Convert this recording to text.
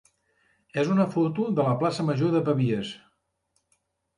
és una foto de la plaça major de Pavies.